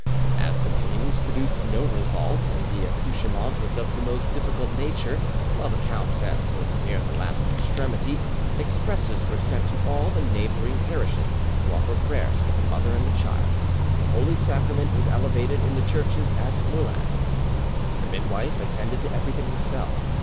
As the pains produced no result, and the accouchement was of the most difficult nature, while the countess was near the last extremity, expresses were sent to all the neighbouring parishes to offer prayers for the mother and the child; the Holy Sacrament was elevated in the churches at Moulins. The midwife attended to everything herself.